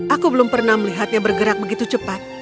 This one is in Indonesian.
aku belum pernah melihatnya bergerak begitu cepat